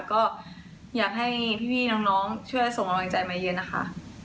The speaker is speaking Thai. ก็อยากให้พี่น้องช่วยส่งกำลังใจมาเย็นนะคะ